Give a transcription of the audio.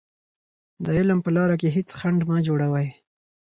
د علم په لاره کې هېڅ خنډ مه جوړوئ.